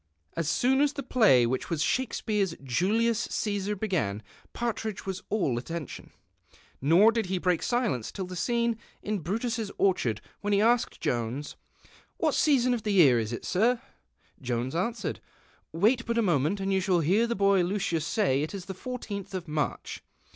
As soon as the play, which was Shakesi)eares Julius C(vsar, began, Partridge was all attention, nor did he break silence till the .scene in Brutus's 22 PARTRIDCiE AT .TTLIUS C^SAR" orchard, win ii he asked Jones, " What season of the year is it. Sir ?"' Jonts answered, "' Wait bnt a moment and you siiall liear the boy Lueius say it is the l tth of Mareh."